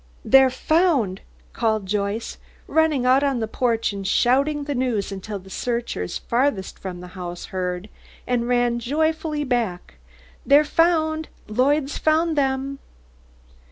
"They're found!" called Joyce, running out on the porch and shouting the news until the searchers farthest from the house heard, and ran joyfully back. "They're found! Lloyd's found them!"